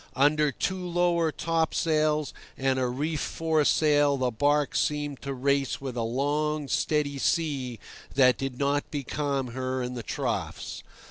Under two lower topsails and a reefed foresail the barque seemed to race with a long, steady sea that did not becalm her in the troughs.